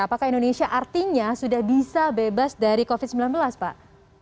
apakah indonesia artinya sudah bisa bebas dari covid sembilan belas pak